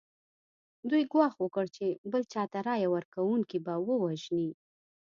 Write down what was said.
دوی ګواښ وکړ چې بل چا ته رایه ورکونکي به ووژني.